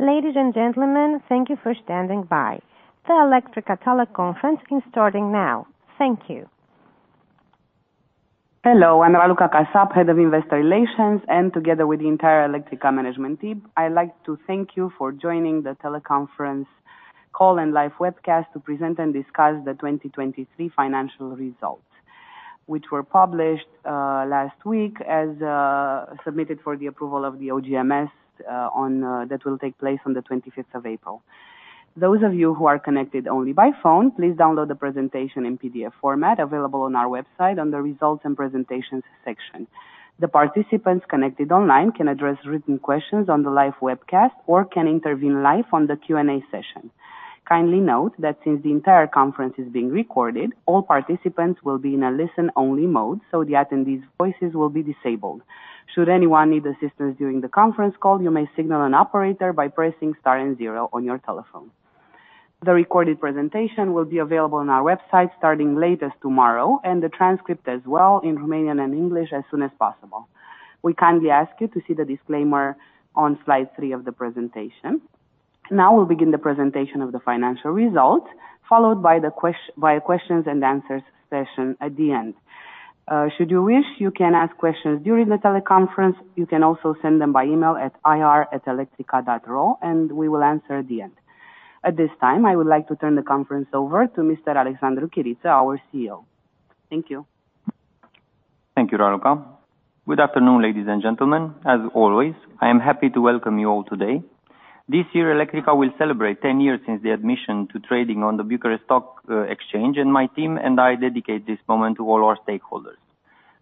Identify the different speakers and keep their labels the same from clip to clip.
Speaker 1: Ladies and gentlemen, thank you for standing by. The Electrica teleconference is starting now. Thank you.
Speaker 2: Hello, I'm Raluca Kasap, Head of Investor Relations, and together with the entire Electrica management team, I'd like to thank you for joining the teleconference call-and-live webcast to present and discuss the 2023 financial results, which were published last week as submitted for the approval of the OGMS that will take place on the 25th of April. Those of you who are connected only by phone, please download the presentation in PDF format available on our website under Results and Presentations section. The participants connected online can address written questions on the live webcast or can intervene live on the Q&A session. Kindly note that since the entire conference is being recorded, all participants will be in a listen-only mode, so the attendees' voices will be disabled. Should anyone need assistance during the conference call, you may signal an operator by pressing star and zero on your telephone. The recorded presentation will be available on our website starting as late as tomorrow, and the transcript as well in Romanian and English as soon as possible. We kindly ask you to see the disclaimer on slide three of the presentation. Now we'll begin the presentation of the financial results, followed by a questions and answers session at the end. Should you wish, you can ask questions during the teleconference. You can also send them by email at ir@electrica.ro, and we will answer at the end. At this time, I would like to turn the conference over to Mr. Alexandru Chiriță, our CEO. Thank you.
Speaker 3: Thank you, Raluca. Good afternoon, ladies and gentlemen. As always, I am happy to welcome you all today. This year, Electrica will celebrate 10 years since the admission to trading on the Bucharest Stock Exchange, and my team and I dedicate this moment to all our stakeholders.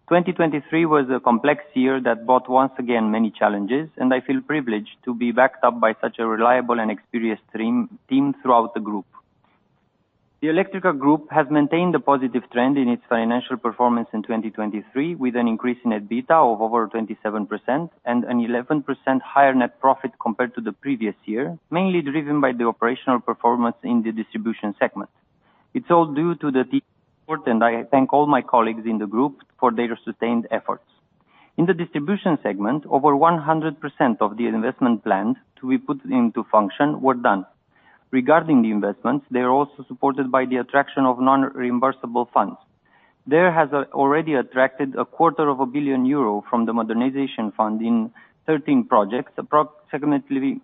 Speaker 3: 2023 was a complex year that brought, once again, many challenges, and I feel privileged to be backed up by such a reliable and experienced strong team throughout the group. The Electrica group has maintained a positive trend in its financial performance in 2023, with an increase in net profit of over 27% and an 11% higher net profit compared to the previous year, mainly driven by the operational performance in the distribution segment. It's all due to the team, and I thank all my colleagues in the group for their sustained efforts. In the distribution segment, over 100% of the investment planned to be put into function were done. Regarding the investments, they are also supported by the attraction of non-reimbursable funds. There has already attracted 250 million euro from the Modernization Fund in 13 projects, approximately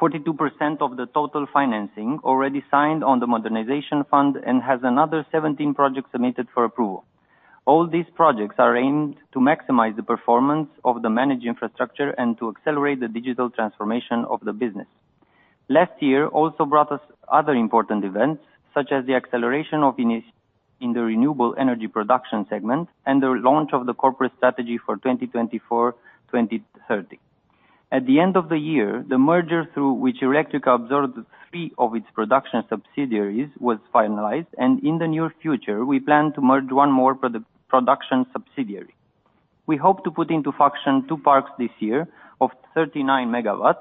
Speaker 3: 42% of the total financing already signed on the Modernization Fund, and has another 17 projects submitted for approval. All these projects are aimed to maximize the performance of the managed infrastructure and to accelerate the digital transformation of the business. Last year also brought us other important events, such as the acceleration of initiatives in the renewable energy production segment and the launch of the corporate strategy for 2024-2030. At the end of the year, the merger through which Electrica absorbed three of its production subsidiaries was finalized, and in the near future, we plan to merge one more production subsidiary. We hope to put into function two parks this year of 39 MW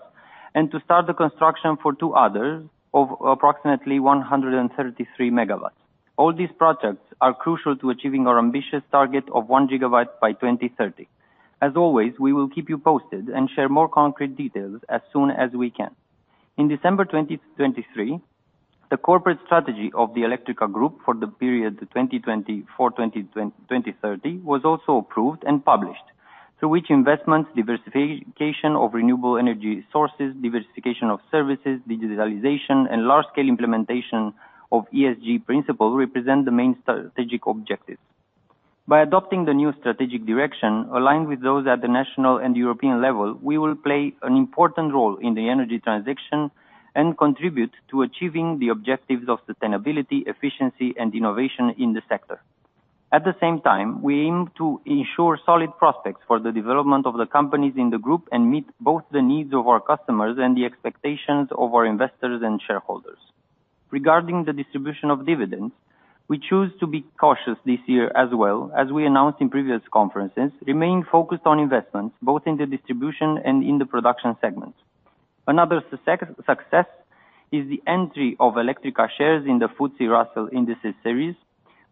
Speaker 3: and to start the construction for two others of approximately 133 MW. All these projects are crucial to achieving our ambitious target of 1 GW by 2030. As always, we will keep you posted and share more concrete details as soon as we can. In December 2023, the corporate strategy of the Electrica group for the period 2024-2030 was also approved and published, through which investments, diversification of renewable energy sources, diversification of services, digitalization, and large-scale implementation of ESG principles represent the main strategic objectives. By adopting the new strategic direction aligned with those at the national and European level, we will play an important role in the energy transition and contribute to achieving the objectives of sustainability, efficiency, and innovation in the sector. At the same time, we aim to ensure solid prospects for the development of the companies in the group and meet both the needs of our customers and the expectations of our investors and shareholders. Regarding the distribution of dividends, we choose to be cautious this year as well, as we announced in previous conferences, remaining focused on investments both in the distribution and in the production segments. Another success is the entry of Electrica shares in the FTSE Russell Indices series,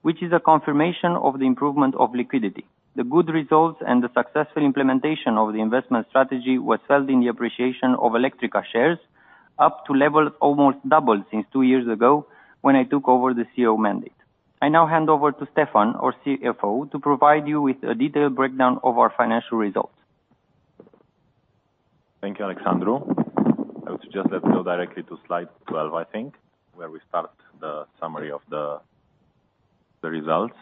Speaker 3: which is a confirmation of the improvement of liquidity. The good results and the successful implementation of the investment strategy were felt in the appreciation of Electrica shares up to levels almost doubled since two years ago when I took over the CEO mandate. I now hand over to Ștefan, our CFO, to provide you with a detailed breakdown of our financial results.
Speaker 4: Thank you, Alexandru. I would suggest let's go directly to slide 12, I think, where we start the summary of the results.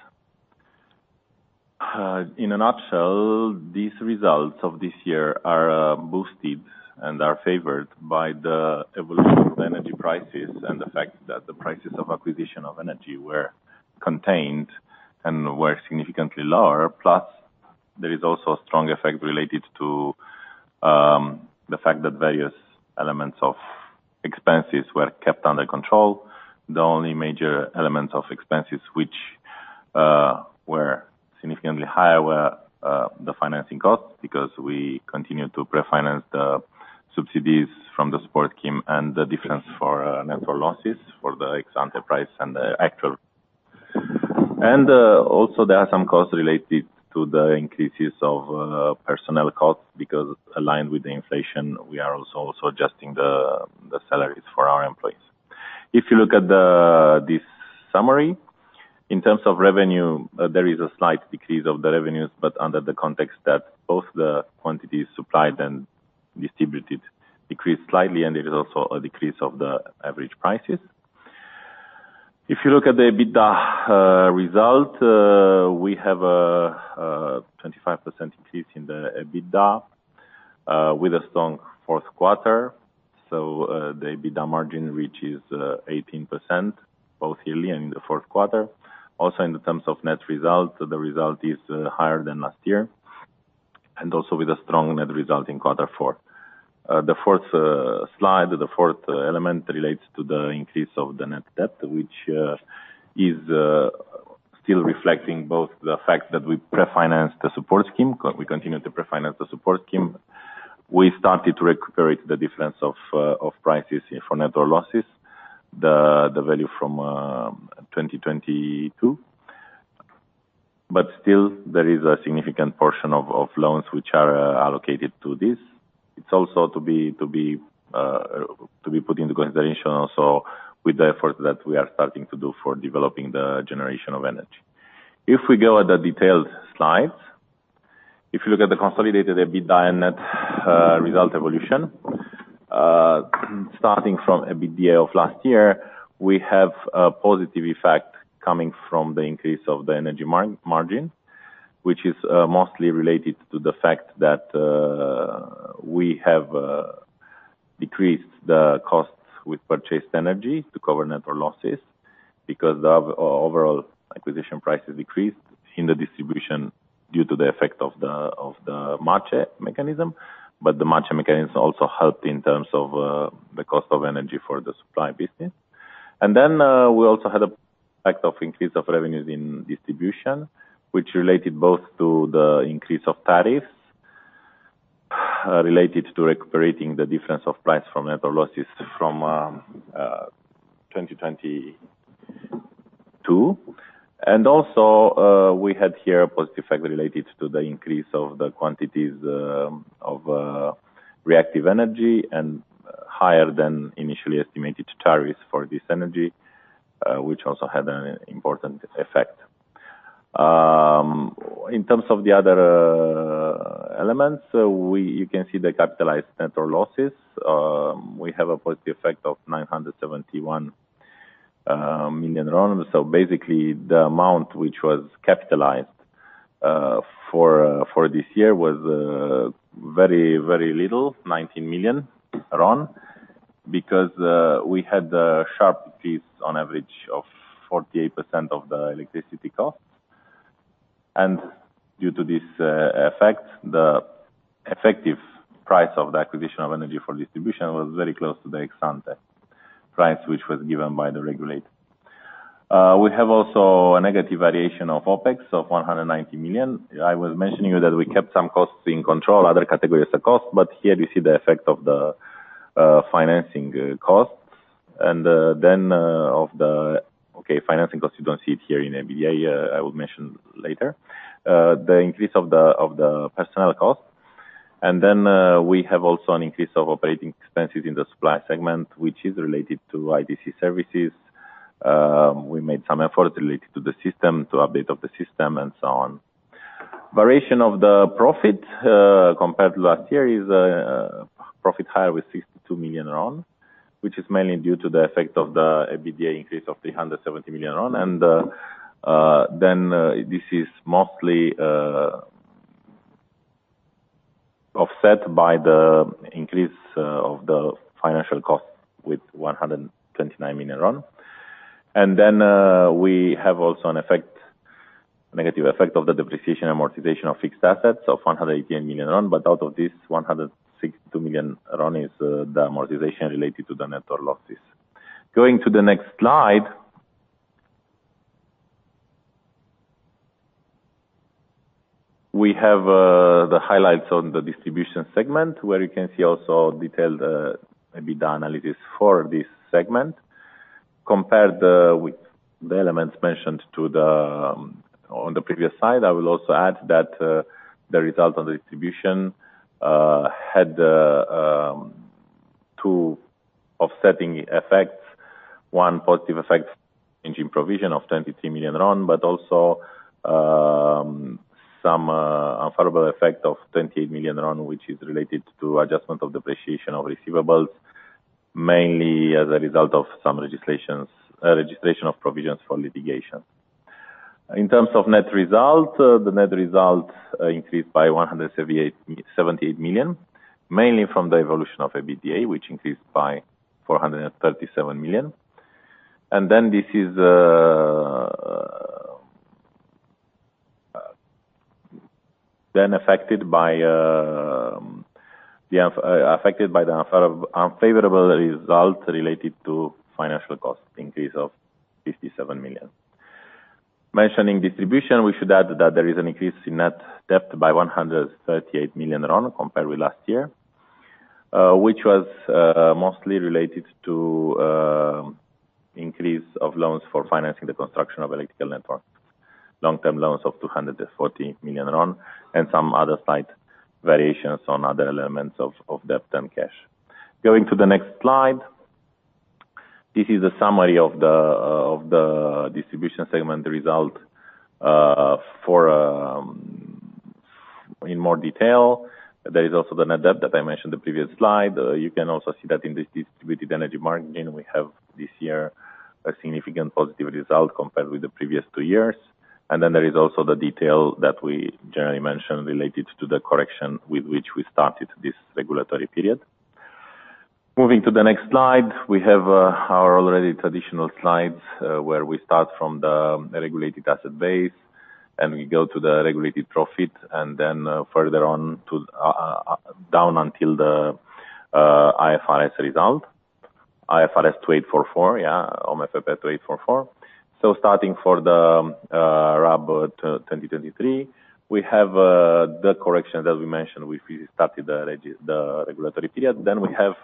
Speaker 4: In a nutshell, these results of this year are boosted and are favored by the evolution of energy prices and the fact that the prices of acquisition of energy were contained and were significantly lower. Plus, there is also a strong effect related to the fact that various elements of expenses were kept under control. The only major elements of expenses which were significantly higher were the financing costs because we continue to pre-finance the subsidies from the support scheme and the difference for network losses for the expected and the actual. And also there are some costs related to the increases of personnel costs because aligned with the inflation, we are also adjusting the salaries for our employees. If you look at this summary, in terms of revenue, there is a slight decrease of the revenues, but under the context that both the quantities supplied and distributed decreased slightly, and there is also a decrease of the average prices. If you look at the EBITDA result, we have a 25% increase in the EBITDA, with a strong fourth quarter. So, the EBITDA margin reaches 18% both yearly and in the fourth quarter. Also, in terms of net result, the result is higher than last year and also with a strong net result in quarter four. The fourth slide, the fourth element relates to the increase of the net debt, which is still reflecting both the fact that we pre-financed the support scheme. We continue to pre-finance the support scheme. We started to recuperate the difference of prices for network losses, the value from 2022. But still, there is a significant portion of loans which are allocated to this. It's also to be put into consideration also with the efforts that we are starting to do for developing the generation of energy. If we go at the detailed slides, if you look at the consolidated EBITDA and net result evolution, starting from EBITDA of last year, we have a positive effect coming from the increase of the energy margin, which is mostly related to the fact that we have decreased the costs with purchased energy to cover network losses because the overall acquisition prices decreased in the distribution due to the effect of the MACEE mechanism. But the MACEE mechanism also helped in terms of the cost of energy for the supply business. And then, we also had a factor of increase of revenues in distribution, which related both to the increase of tariffs, related to recuperating the difference of price from network losses from 2022. And also, we had here a positive effect related to the increase of the quantities of reactive energy and higher than initially estimated tariffs for this energy, which also had an important effect. In terms of the other elements, you can see the capitalized network losses. We have a positive effect of RON 971 million. So basically, the amount which was capitalized for this year was very, very little, RON 19 million, because we had a sharp increase on average of 48% of the electricity costs. And due to this effect, the effective price of the acquisition of energy for distribution was very close to the ex-ante price which was given by the regulator. We have also a negative variation of OpEx of RON 190 million. I was mentioning to you that we kept some costs in control, other categories of cost, but here you see the effect of the financing costs and then of the okay, financing costs. You don't see it here in EBITDA. I will mention later. The increase of the of the personnel cost. And then, we have also an increase of operating expenses in the supply segment, which is related to ITC services. We made some efforts related to the system, to update of the system, and so on. Variation of the profit, compared to last year is profit higher with RON 62 million, which is mainly due to the effect of the EBITDA increase of RON 370 million. And then, this is mostly offset by the increase of the financial costs with RON 129 million. Then, we have also an effect, negative effect of the depreciation amortization of fixed assets of RON 118 million. But out of this, RON 162 million is the amortization related to the network losses. Going to the next slide, we have the highlights on the distribution segment where you can see also detailed EBITDA analysis for this segment compared with the elements mentioned on the previous slide. I will also add that the result on the distribution had two offsetting effects. One positive effect for change in provision of RON 23 million, but also some unfavorable effect of RON 28 million, which is related to adjustment of depreciation of receivables, mainly as a result of some legislation's registration of provisions for litigation. In terms of net result, the net result increased by RON 178 million, mainly from the evolution of EBITDA, which increased by RON 437 million. And then this is affected by the unfavorable result related to financial cost, increase of RON 57 million. Mentioning distribution, we should add that there is an increase in net debt by RON 138 million compared with last year, which was mostly related to increase of loans for financing the construction of electrical network, long-term loans of RON 240 million, and some other slight variations on other elements of debt and cash. Going to the next slide, this is the summary of the distribution segment result in more detail. There is also the net debt that I mentioned the previous slide. You can also see that in this distributed energy margin, we have this year a significant positive result compared with the previous two years. Then there is also the detail that we generally mentioned related to the correction with which we started this regulatory period. Moving to the next slide, we have our already traditional slides, where we start from the regulated asset base and we go to the regulated profit and then further on to down until the IFRS result, IFRS 2844, yeah, OMFP 2844. So starting for the RAB 2023, we have the correction that we mentioned which we started the regulatory period. Then we have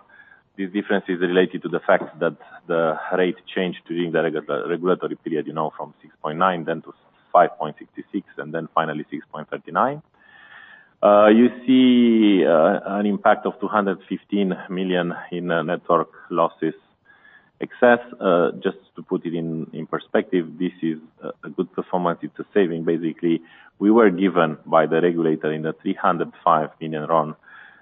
Speaker 4: these differences related to the fact that the rate changed during the regulatory period, you know, from 6.9 then to 5.66 and then finally 6.39. You see, an impact of RON 215 million in network losses excess. Just to put it in perspective, this is a good performance. It's a saving. Basically, we were given by the regulator RON 305 million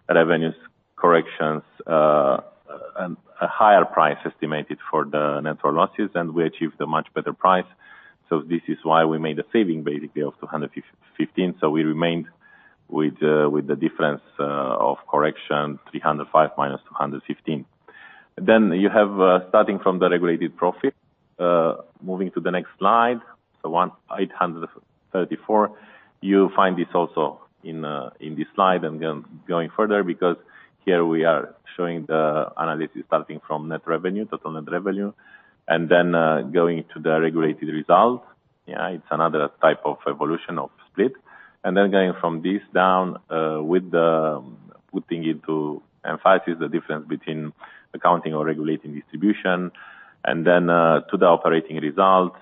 Speaker 4: revenues corrections, and a higher price estimated for the network losses, and we achieved a much better price. So this is why we made a saving, basically, of RON 215 million. So we remained with the difference of correction 305 minus 215. Then you have, starting from the regulated profit, moving to the next slide, so RON 1,834 million, you find this also in this slide and going further because here we are showing the analysis starting from net revenue, total net revenue, and then going to the regulated result. Yeah, it's another type of evolution of split. And then going from this down, with the putting into emphasis the difference between accounting or regulating distribution and then to the operating result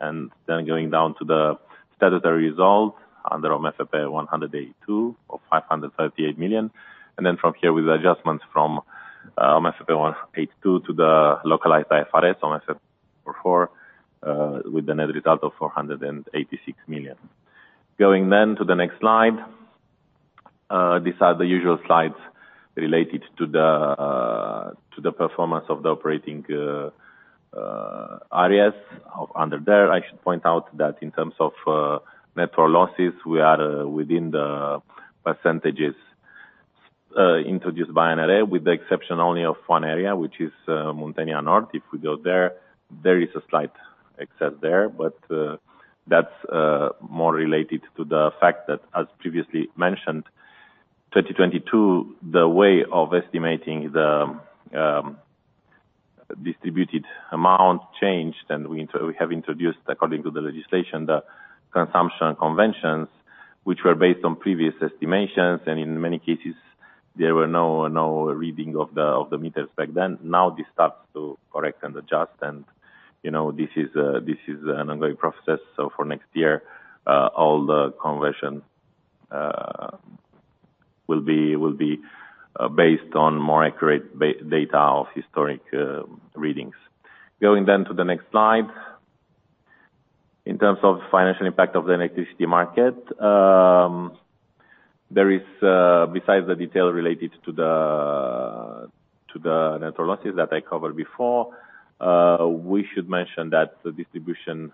Speaker 4: and then going down to the statutory result under OMFP 182 of RON 538 million. Then from here, with adjustments from OMFP 182 to the localized IFRS, OMFP 44, with the net result of RON 486 million. Going then to the next slide, these are the usual slides related to the performance of the operating areas. Under there, I should point out that in terms of network losses, we are within the percentages introduced by NRA, with the exception only of one area, which is Muntenia Nord. If we go there, there is a slight excess there, but that's more related to the fact that, as previously mentioned, 2022, the way of estimating the distributed amount changed, and we have introduced, according to the legislation, the consumption conventions, which were based on previous estimations. In many cases, there were no reading of the meters back then. Now this starts to correct and adjust. You know, this is an ongoing process. So for next year, all the conversion will be based on more accurate data of historic readings. Going then to the next slide, in terms of financial impact of the electricity market, there is, besides the detail related to the network losses that I covered before, we should mention that the distribution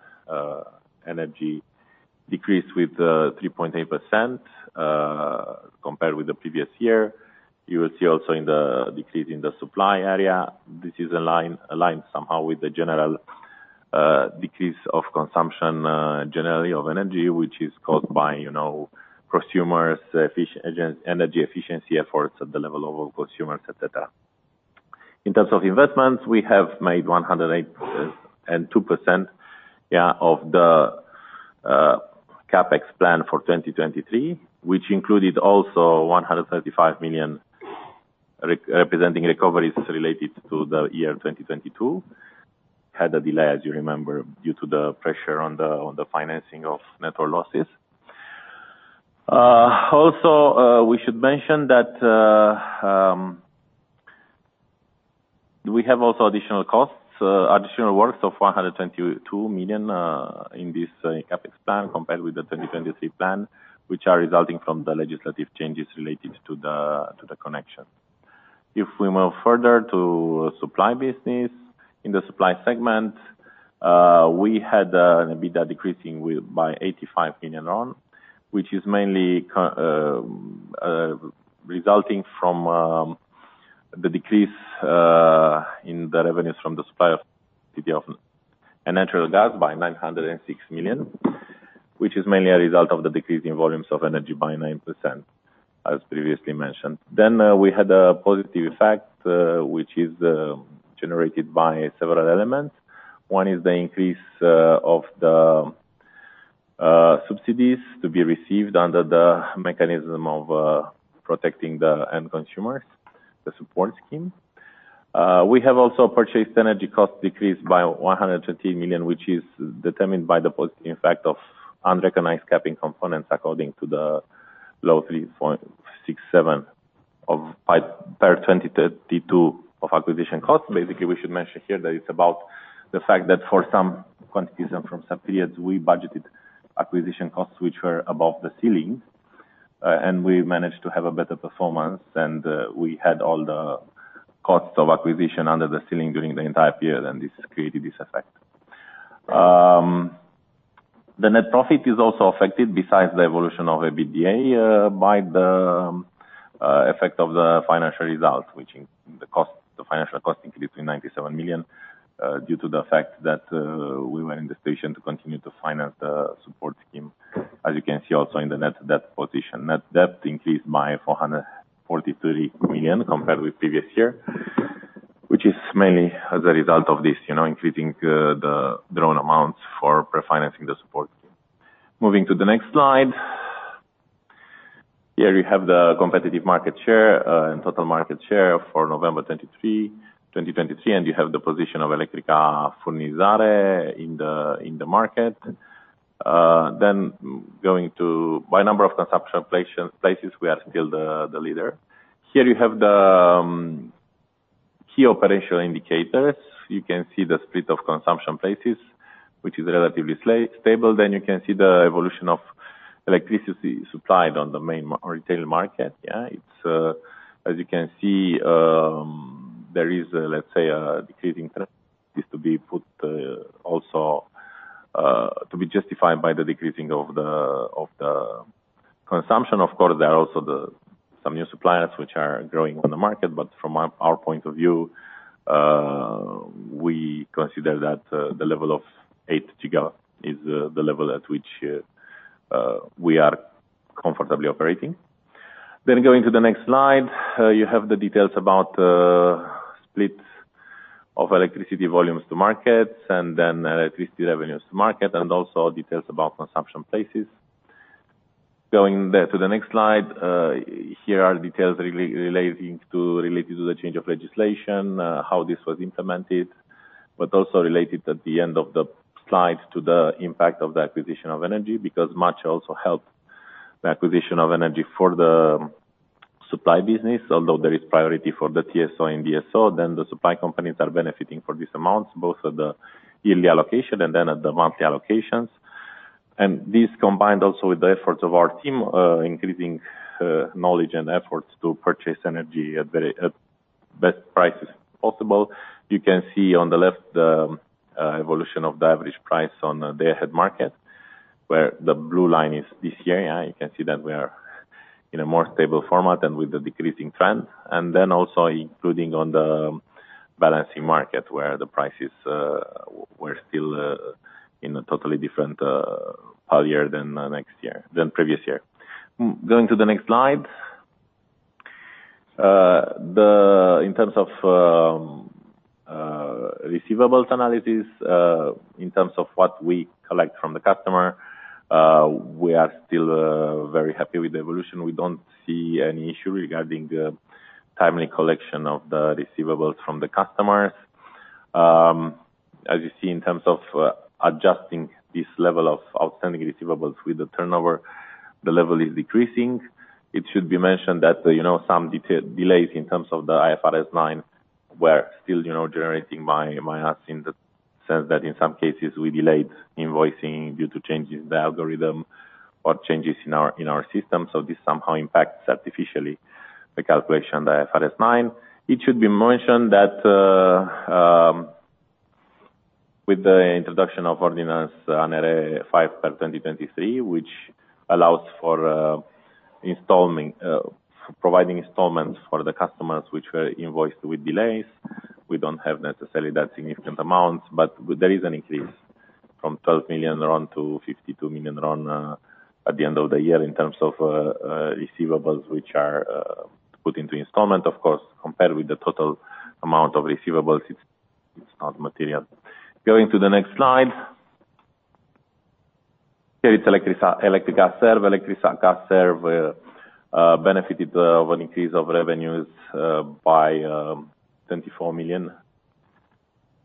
Speaker 4: energy decreased with 3.8%, compared with the previous year. You will see also in the decrease in the supply area. This is aligned somehow with the general decrease of consumption, generally of energy, which is caused by, you know, consumers' energy efficiency efforts at the level of consumers, etc. In terms of investments, we have made 108.2%, yeah, of the CapEx plan for 2023, which included also RON 135 million representing recoveries related to the year 2022. Had a delay, as you remember, due to the pressure on the financing of network losses. Also, we should mention that, we have also additional costs, additional works of RON 122 million, in this, CapEx plan compared with the 2023 plan, which are resulting from the legislative changes related to the connection. If we move further to supply business in the supply segment, we had an EBITDA decreasing by 85 million RON, which is mainly, resulting from, the decrease, in the revenues from the supply of electricity and natural gas by RON 906 million, which is mainly a result of the decrease in volumes of energy by 9%, as previously mentioned. Then, we had a positive effect, which is, generated by several elements. One is the increase, of the, subsidies to be received under the mechanism of, protecting the end consumers, the support scheme. We have also purchased energy cost decreased by RON 113 million, which is determined by the positive effect of unrecognized capping components according to the Law 357 of 2022 of acquisition costs. Basically, we should mention here that it's about the fact that for some quantities and from some periods, we budgeted acquisition costs, which were above the ceiling, and we managed to have a better performance. We had all the costs of acquisition under the ceiling during the entire period, and this created this effect. The net profit is also affected, besides the evolution of EBITDA, by the effect of the financial result, which, the financial cost increased to RON 97 million, due to the fact that we were in the situation to continue to finance the support scheme, as you can see also in the net debt position. Net debt increased by RON 443 million compared with previous year, which is mainly as a result of this, you know, increasing, the drawn amounts for pre-financing the support scheme. Moving to the next slide, here you have the competitive market share, and total market share for November 23, 2023, and you have the position of Electrica Furnizare in the market. Then going to by number of consumption places, we are still the leader. Here you have the key operational indicators. You can see the split of consumption places, which is relatively stable. Then you can see the evolution of electricity supplied on the main retail market. Yeah, it's, as you can see, there is, let's say, a decreasing trend. This to be put, also, to be justified by the decreasing of the consumption. Of course, there are also some new suppliers which are growing on the market, but from our point of view, we consider that the level of 8 TWh is the level at which we are comfortably operating. Then going to the next slide, you have the details about split of electricity volumes to markets and then electricity revenues to market and also details about consumption places. Going there to the next slide, here are details relating to the change of legislation, how this was implemented, but also related at the end of the slide to the impact of the acquisition of energy because MACEE also helped the acquisition of energy for the supply business. Although there is priority for the TSO and DSO, then the supply companies are benefiting for these amounts, both at the yearly allocation and then at the monthly allocations. And this combined also with the efforts of our team, increasing knowledge and efforts to purchase energy at very best prices possible. You can see on the left the evolution of the average price on the Day-Ahead Market where the blue line is this year. Yeah, you can see that we are in a more stable format and with the decreasing trend. And then also including on the balancing market where the prices were still in a totally different pale than next year, than previous year. Going to the next slide, then in terms of receivables analysis, in terms of what we collect from the customer, we are still very happy with the evolution. We don't see any issue regarding timely collection of the receivables from the customers. As you see, in terms of adjusting this level of outstanding receivables with the turnover, the level is decreasing. It should be mentioned that, you know, some detail delays in terms of the IFRS 9 were still, you know, generating bias in the sense that in some cases, we delayed invoicing due to changes in the algorithm or changes in our in our system. So this somehow impacts artificially the calculation of the IFRS 9. It should be mentioned that, with the introduction of Ordinance NRA 5/2023, which allows for providing installments for the customers which were invoiced with delays. We don't have necessarily that significant amount, but there is an increase from RON 12 million to RON 52 million at the end of the year in terms of receivables which are put into installments, of course, compared with the total amount of receivables. It's not material. Going to the next slide, here it's Electrica Serv. Electrica Serv benefited of an increase of revenues by RON 24 million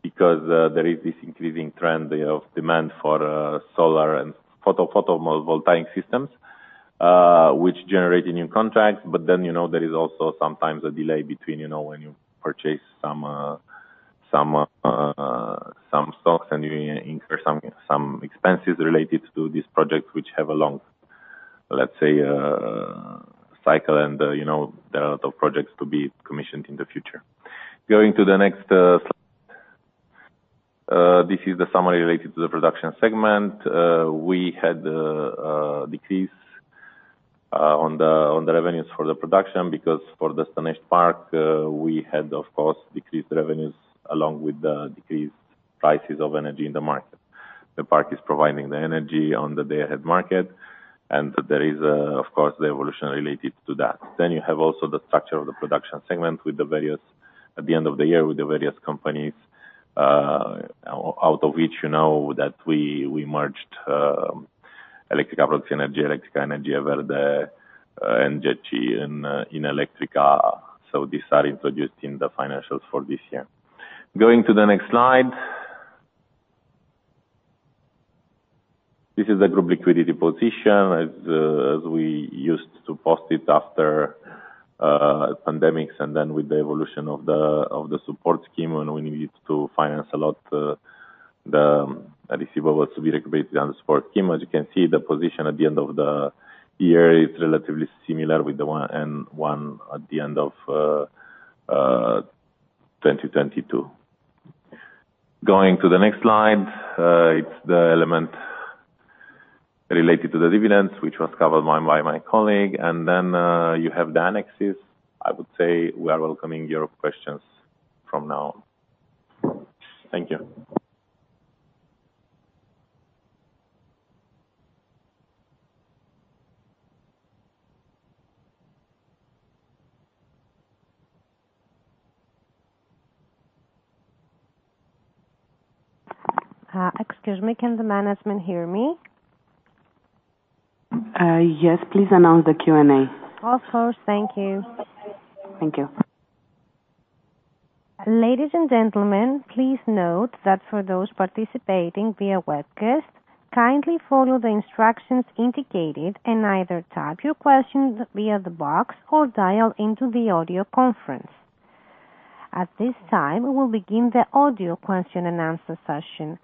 Speaker 4: because there is this increasing trend of demand for solar and photovoltaic systems, which generate new contracts. But then, you know, there is also sometimes a delay between, you know, when you purchase some stocks and you incur some expenses related to these projects which have a long, let's say, cycle and, you know, there are a lot of projects to be commissioned in the future. Going to the next slide, this is the summary related to the production segment. We had decrease on the revenues for the production because for the Stănești Park, we had, of course, decreased revenues along with the decreased prices of energy in the market. The park is providing the energy on the Day Ahead Market, and there is, of course, the evolution related to that. Then you have also the structure of the production segment with the various at the end of the year with the various companies, out of which, you know, that we merged Electrica Producție Energie, Electrica Energie Verde, and GECI in Electrica. So these are introduced in the financials for this year. Going to the next slide, this is the group liquidity position as we used to post it after the pandemic and then with the evolution of the support scheme when we needed to finance a lot the receivables to be recuperated under support scheme. As you can see, the position at the end of the year, it's relatively similar with the one at the end of 2022. Going to the next slide, it's the element related to the dividends, which was covered by my colleague. And then, you have the annexes. I would say we are welcoming your questions from now on. Thank you.
Speaker 1: Excuse me. Can the management hear me?
Speaker 2: Yes, please announce the Q&A.
Speaker 1: Of course. Thank you.
Speaker 2: Thank you.
Speaker 1: Ladies and gentlemen, please note that for those participating via webcast, kindly follow the instructions indicated and either type your question via the box or dial into the audio conference. At this time, we will begin the audio question and answer session.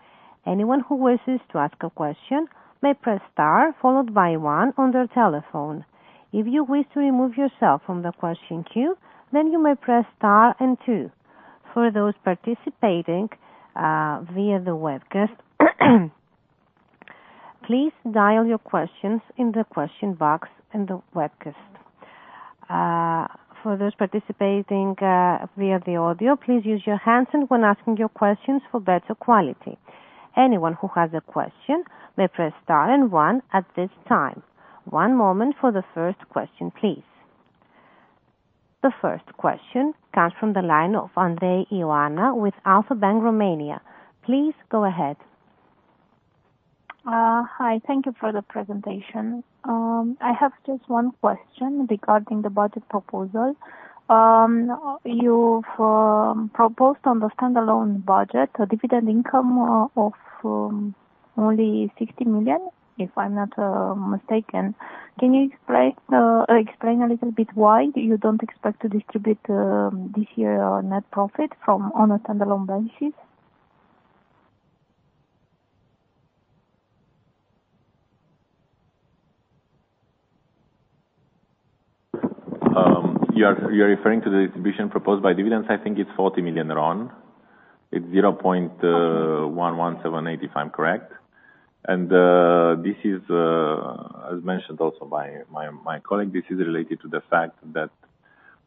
Speaker 1: Anyone who wishes to ask a question may press star followed by one on their telephone. If you wish to remove yourself from the question queue, then you may press star and two. For those participating via the webcast, please dial your questions in the question box in the webcast. For those participating via the audio, please use your hands and when asking your questions for better quality. Anyone who has a question may press star and one at this time. One moment for the first question, please. The first question comes from the line of Andrei Ioana with Alpha Bank Romania. Please go ahead.
Speaker 5: Hi. Thank you for the presentation. I have just one question regarding the budget proposal. You've proposed on the standalone budget a dividend income of only RON 60 million, if I'm not mistaken. Can you explain a little bit why you don't expect to distribute this year net profit from on a standalone basis? You are referring to the distribution proposed by dividends?
Speaker 4: I think it's RON 40 million. It's RON 0.1178, if I'm correct. And this is, as mentioned also by my colleague, this is related to the fact that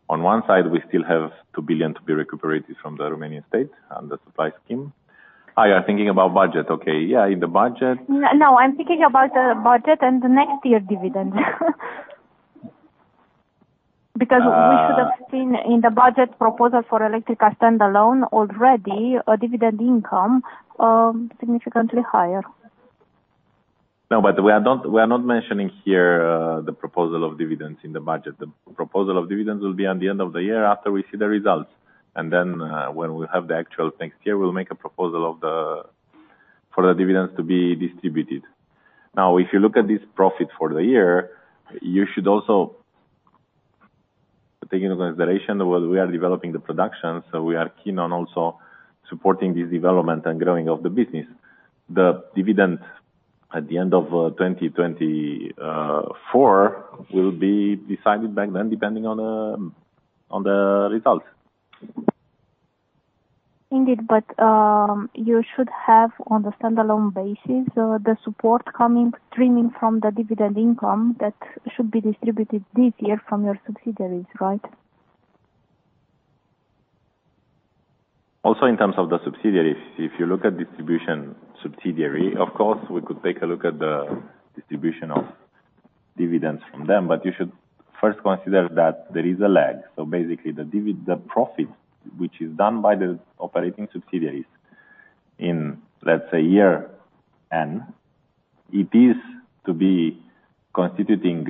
Speaker 4: on one side, we still have RON 2 billion to be recuperated from the Romanian state under supply scheme. I'm thinking about budget. Okay. Yeah, in the budget.
Speaker 5: No, I'm thinking about the budget and the next year dividend because we should have seen in the budget proposal for Electrica standalone already a dividend income, significantly higher.
Speaker 4: No, but we are not mentioning here the proposal of dividends in the budget. The proposal of dividends will be at the end of the year after we see the results. And then, when we have the actual next year, we'll make a proposal for the dividends to be distributed. Now, if you look at this profit for the year, you should also take into consideration that we are developing the production, so we are keen on also supporting this development and growing of the business. The dividend at the end of 2024 will be decided back then depending on the results. Indeed.
Speaker 5: But, you should have on a standalone basis, the support coming, streaming from the dividend income that should be distributed this year from your subsidiaries, right?
Speaker 4: Also in terms of the subsidiaries, if you look at distribution subsidiary, of course, we could take a look at the distribution of dividends from them, but you should first consider that there is a lag. So basically, the profit, which is done by the operating subsidiaries in, let's say, year N, it is to be constituting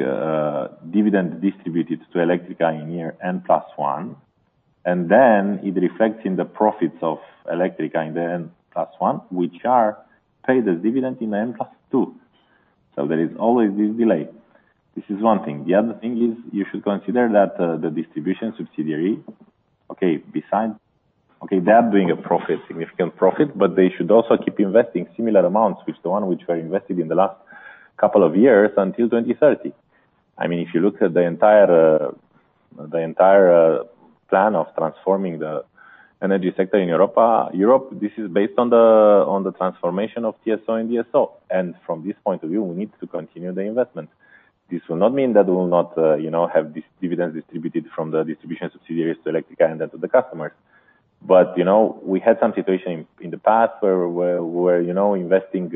Speaker 4: dividend distributed to Electrica in year N+1. And then it reflects in the profits of Electrica in the N+1, which are paid as dividend in the N+2. So there is always this delay. This is one thing. The other thing is you should consider that, the distribution subsidiary, okay, besides. Okay, they are doing a profit, significant profit, but they should also keep investing similar amounts, which the one which were invested in the last couple of years until 2030. I mean, if you look at the entire plan of transforming the energy sector in Europe, this is based on the transformation of TSO and DSO. And from this point of view, we need to continue the investment. This will not mean that we will not, you know, have this dividend distributed from the distribution subsidiaries to Electrica and then to the customers. But, you know, we had some situation in the past where, you know, investing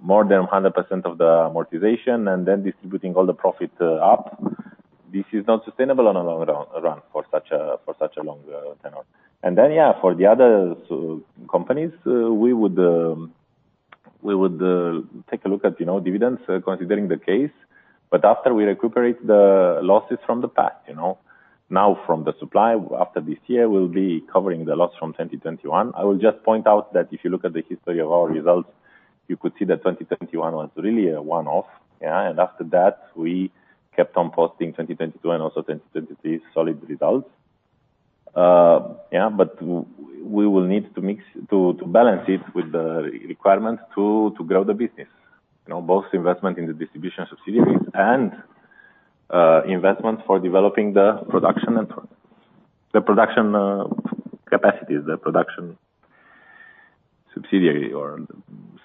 Speaker 4: more than 100% of the amortization and then distributing all the profit up. This is not sustainable on a long run for such a long tenor. Then, yeah, for the other companies, we would take a look at, you know, dividends, considering the case, but after we recuperate the losses from the past, you know, now from the supply after this year, we'll be covering the loss from 2021. I will just point out that if you look at the history of our results, you could see that 2021 was really a one-off. Yeah. And after that, we kept on posting 2022 and also 2023 solid results. Yeah, but we will need to balance it with the requirement to grow the business, you know, both investment in the distribution subsidiaries and investment for developing the production network, the production capacities, the production subsidiary or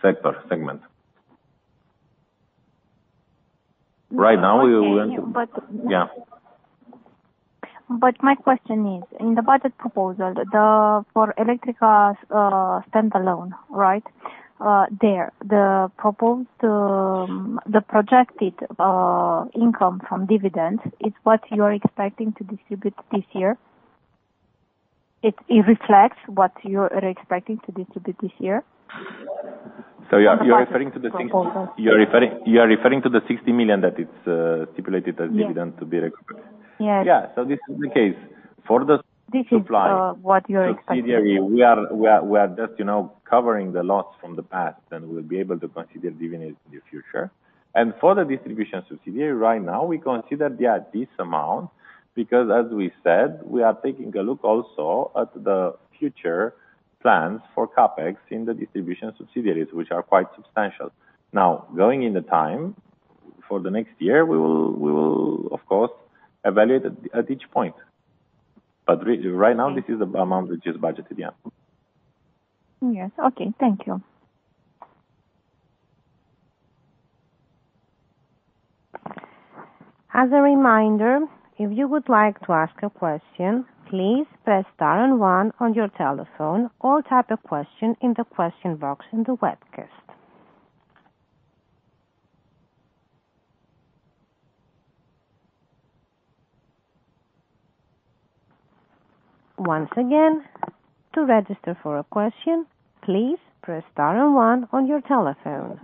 Speaker 4: sector segment. Right now, we went. But. Yeah.
Speaker 5: But my question is, in the budget proposal for Electrica standalone, right, there the proposed projected income from dividends, it's what you are expecting to distribute this year? It reflects what you are expecting to distribute this year? So you're referring to the RON 60 million that's stipulated as dividend to be recuperated? Yes.
Speaker 4: Yeah. So this is the case. For the supply.
Speaker 5: This is what you're expecting.
Speaker 4: Subsidiary, we are just, you know, covering the loss from the past, and we'll be able to consider dividends in the future. For the distribution subsidiary, right now, we considered, yeah, this amount because, as we said, we are taking a look also at the future plans for CapEx in the distribution subsidiaries, which are quite substantial. Now, going in the time for the next year, we will, of course, evaluate at each point. But right now, this is the amount which is budgeted, yeah.
Speaker 5: Yes. Okay. Thank you.
Speaker 1: As a reminder, if you would like to ask a question, please press star and one on your telephone or type a question in the question box in the webcast. Once again, to register for a question, please press star and one on your telephone.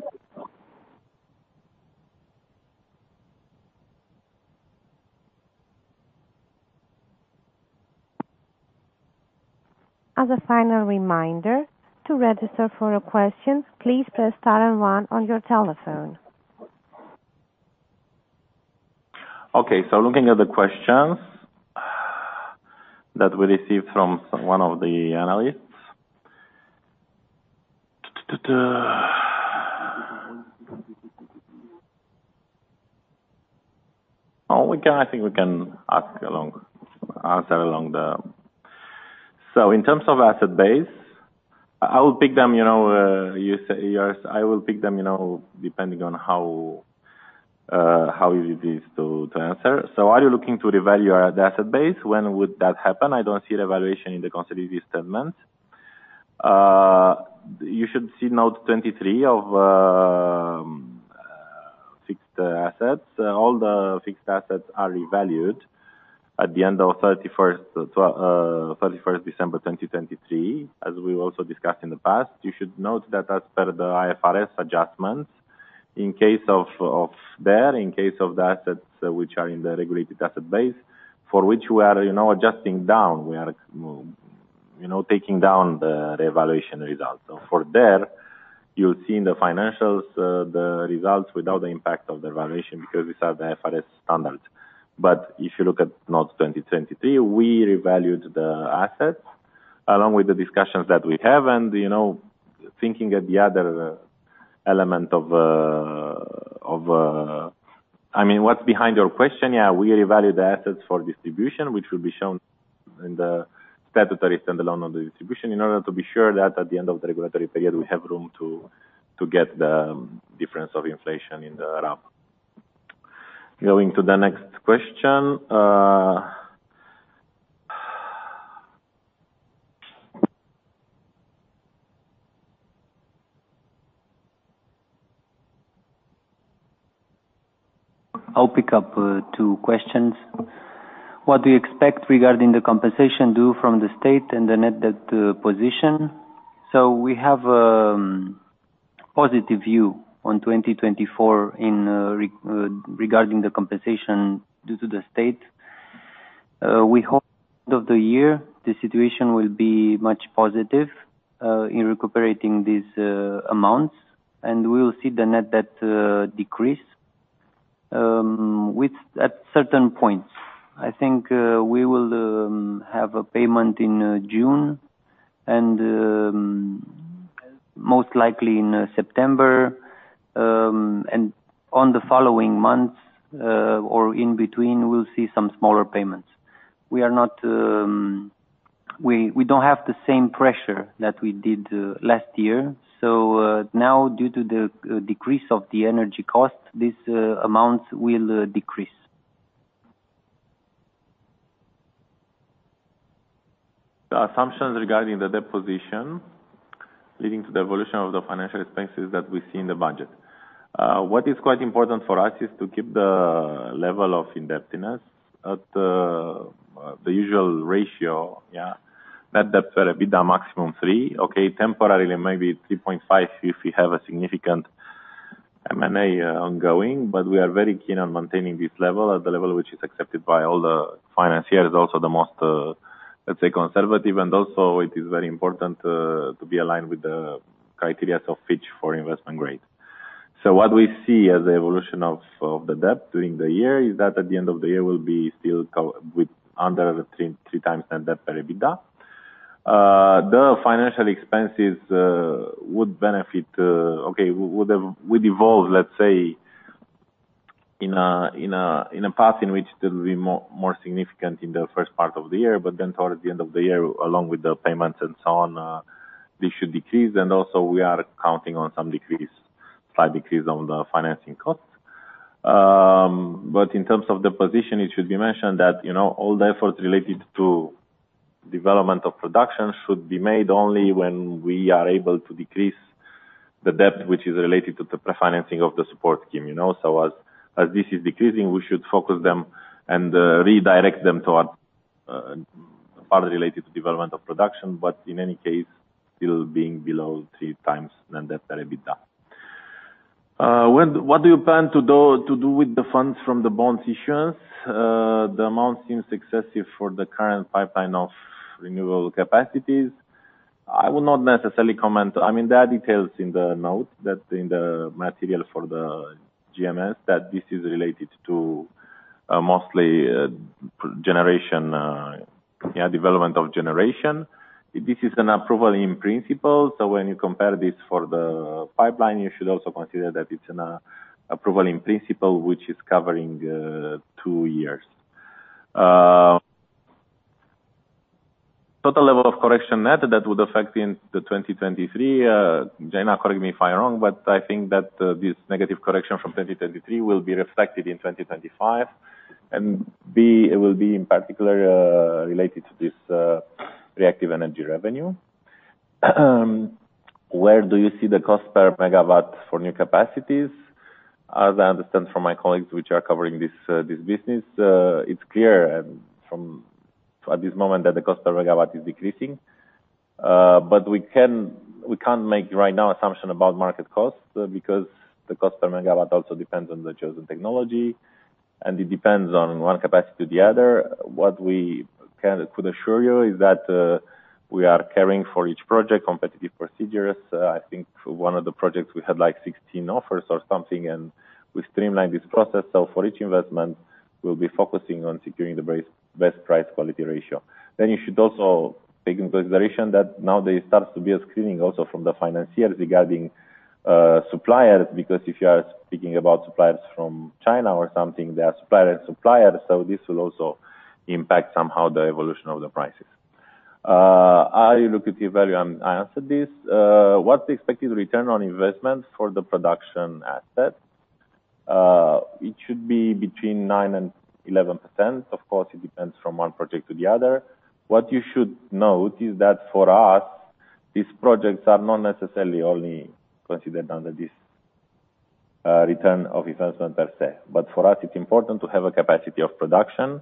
Speaker 1: As a final reminder, to register for a question, please press star and one on your telephone.
Speaker 4: Okay. So looking at the questions that we received from one of the analysts. Oh, we can, I think we can ask along, answer along the way, so in terms of asset base, I will pick them, you know, you say yours, I will pick them, you know, depending on how easy it is to answer. So are you looking to revalue the asset base? When would that happen? I don't see revaluation in the consolidated statements. You should see note 23 of fixed assets. All the fixed assets are revalued at the end of 31st December 2023, as we also discussed in the past. You should note that that's per the IFRS adjustments in case of the assets which are in the regulated asset base for which we are, you know, adjusting down. We are, you know, taking down the revaluation results. So for there, you'll see in the financials, the results without the impact of the valuation because these are the IFRS standards. But if you look at note 2023, we revalued the assets along with the discussions that we have. And, you know, thinking at the other element of, I mean, what's behind your question? Yeah, we revalue the assets for distribution, which will be shown in the statutory standalone on the distribution in order to be sure that at the end of the regulatory period, we have room to get the difference of inflation in the RAB. Going to the next question.
Speaker 3: I'll pick up two questions. What do you expect regarding the compensation due from the state and the net debt position? So we have a positive view on 2024 regarding the compensation due to the state. We hope end of the year, the situation will be much positive, in recuperating these amounts, and we'll see the net debt decrease with at certain points. I think we will have a payment in June and most likely in September and on the following months, or in between, we'll see some smaller payments. We don't have the same pressure that we did last year. So now, due to the decrease of the energy cost, these amounts will decrease.
Speaker 4: Assumptions regarding the debt position leading to the evolution of the financial expenses that we see in the budget. What is quite important for us is to keep the level of indebtedness at the usual ratio, yeah, net debt per EBITDA maximum three, okay, temporarily maybe 3.5 if we have a significant M&A ongoing. But we are very keen on maintaining this level at the level which is accepted by all the financiers, also the most, let's say, conservative. And also, it is very important to be aligned with the criteria of Fitch for investment grade. So what we see as the evolution of the debt during the year is that at the end of the year, we'll be still with under the 3x net debt per EBITDA. The financial expenses would benefit, okay, we would evolve, let's say, in a path in which there'll be more significant in the first part of the year. But then towards the end of the year, along with the payments and so on, this should decrease. And also, we are counting on some decrease, slight decrease on the financing cost. But in terms of the position, it should be mentioned that, you know, all the efforts related to development of production should be made only when we are able to decrease the debt which is related to the pre-financing of the support scheme, you know. So as this is decreasing, we should focus them and, redirect them toward, part related to development of production, but in any case, still being below 3x net debt per EBITDA. What do you plan to do with the funds from the bonds issuance? The amount seems excessive for the current pipeline of renewable capacities. I will not necessarily comment I mean, there are details in the note that in the material for the GMS that this is related to, mostly, generation, yeah, development of generation. This is an approval in principle. So when you compare this for the pipeline, you should also consider that it's an approval in principle which is covering two years. Total level of correction net that would affect in the 2023 JAINA. Correct me if I'm wrong, but I think that this negative correction from 2023 will be reflected in 2025, and it will be, in particular, related to this reactive energy revenue. Where do you see the cost per megawatt for new capacities? As I understand from my colleagues which are covering this this business, it's clear and from at this moment that the cost per megawatt is decreasing. But we can't make right now assumption about market cost because the cost per megawatt also depends on the chosen technology, and it depends on one capacity to the other. What we could assure you is that, we are caring for each project, competitive procedures. I think one of the projects, we had like 16 offers or something, and we streamlined this process. So for each investment, we'll be focusing on securing the best price-quality ratio. Then you should also take into consideration that nowadays, it starts to be a screening also from the financiers regarding, suppliers because if you are speaking about suppliers from China or something, they are supplier and suppliers. So this will also impact somehow the evolution of the prices. How do you look at the value? I answered this. What's the expected return on investment for the production asset? It should be between 9%-11%. Of course, it depends from one project to the other. What you should note is that for us, these projects are not necessarily only considered under this, return of investment per se. But for us, it's important to have a capacity of production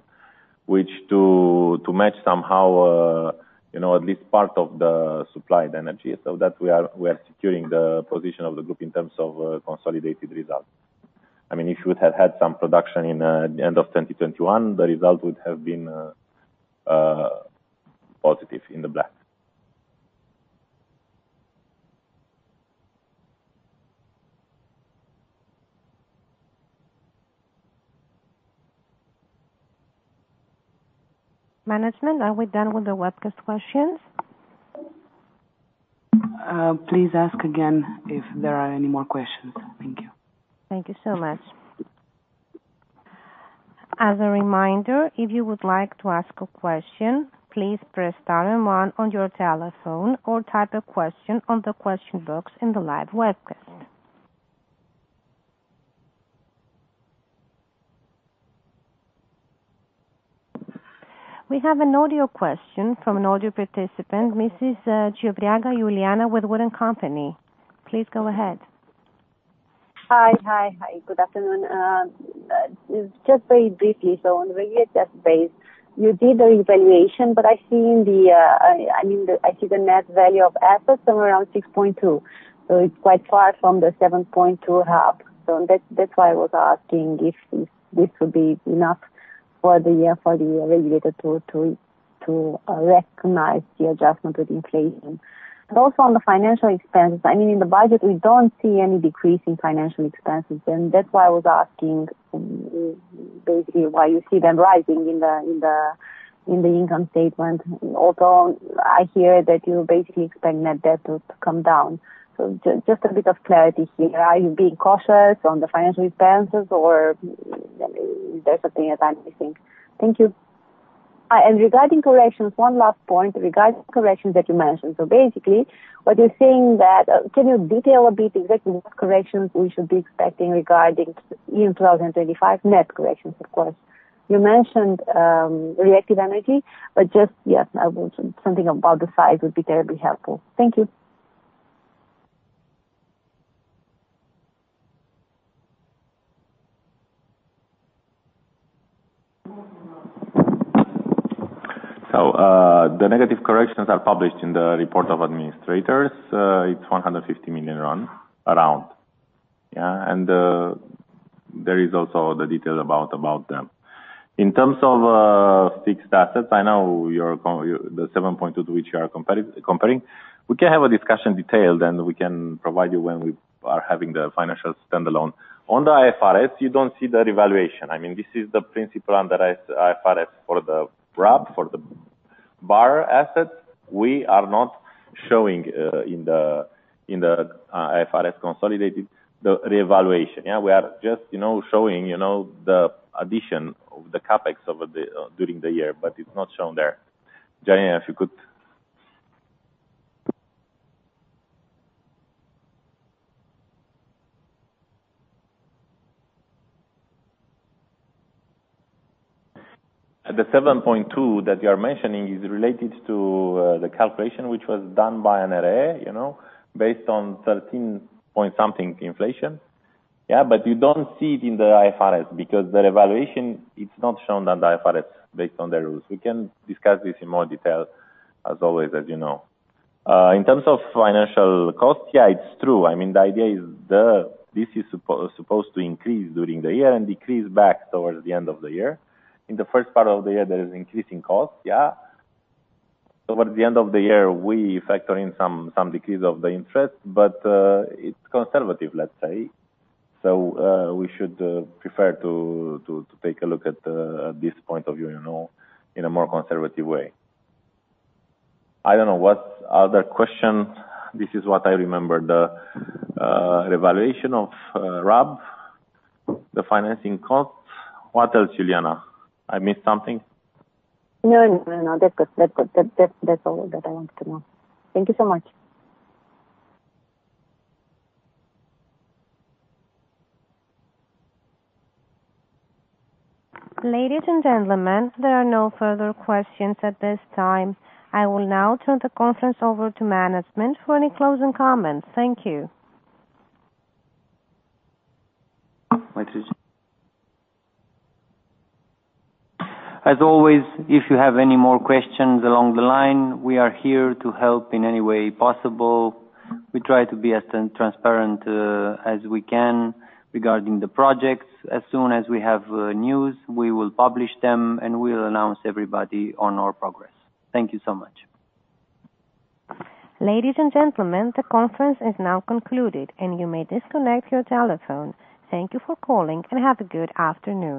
Speaker 4: which to match somehow, you know, at least part of the supplied energy so that we are securing the position of the group in terms of, consolidated results. I mean, if you would have had some production in the end of 2021, the result would have been, positive, in the black.
Speaker 1: Management, are we done with the webcast questions?
Speaker 2: Please ask again if there are any more questions. Thank you.
Speaker 1: Thank you so much. As a reminder, if you would like to ask a question, please press star and one on your telephone or type a question on the question box in the live webcast. We have an audio question from an audio participant, Mrs. Juliana Gioria with Wood & Company. Please go ahead.
Speaker 6: Hi. Hi. Hi. Good afternoon. Just very briefly, so on the RAB, you did the revaluation, but I see in the, I mean, I see the net value of assets somewhere around RON 6.2 billion. So it's quite far from the RON 7.2 billion. So that's why I was asking if this would be enough for the year for the regulator to recognize the adjustment with inflation. And also on the financial expenses, I mean, in the budget, we don't see any decrease in financial expenses. And that's why I was asking basically why you see them rising in the income statement. Although I hear that you basically expect net debt to come down. So just a bit of clarity here. Are you being cautious on the financial expenses, or is there something that I'm missing? Thank you. Regarding corrections, one last point regarding corrections that you mentioned. So basically, what you're saying that can you detail a bit exactly what corrections we should be expecting regarding in 2025 net corrections, of course? You mentioned reactive energy, but just yes, I would something about the size would be terribly helpful. Thank you.
Speaker 4: So, the negative corrections are published in the report of administrators. It's RON 150 million around, yeah? And there is also the detail about them. In terms of fixed assets, I know you're the 7.2 to which you are comparing. We can have a discussion detailed, and we can provide you when we are having the financial standalone. On the IFRS, you don't see the revaluation. I mean, this is the principal under IFRS for the RAB, for the RAB assets. We are not showing, in the in the IFRS consolidated the revaluation, yeah? We are just, you know, showing, you know, the addition of the capex over the during the year, but it's not shown there. Juliana, if you could. The 7.2 that you are mentioning is related to, the calculation which was done by NRA, you know, based on 13-point-something inflation, yeah? But you don't see it in the IFRS because the revaluation, it's not shown on the IFRS based on their rules. We can discuss this in more detail, as always, as you know. In terms of financial cost, yeah, it's true. I mean, the idea is the this is supposed to increase during the year and decrease back towards the end of the year. In the first part of the year, there is increasing cost, yeah? Towards the end of the year, we factor in some decrease of the interest, but it's conservative, let's say. So, we should prefer to take a look at this point of view, you know, in a more conservative way. I don't know. What other question? This is what I remember, the revaluation of RAB, the financing cost. What else, Juliana? I missed something?
Speaker 6: No, no, no. That's good. That's good. That's all that I wanted to know. Thank you so much.
Speaker 1: Ladies and gentlemen, there are no further questions at this time. I will now turn the conference over to management for any closing comments. Thank you.
Speaker 3: As always, if you have any more questions along the line, we are here to help in any way possible. We try to be as transparent as we can regarding the projects. As soon as we have news, we will publish them, and we'll announce everybody on our progress. Thank you so much.
Speaker 1: Ladies and gentlemen, the conference is now concluded, and you may disconnect your telephone. Thank you for calling, and have a good afternoon.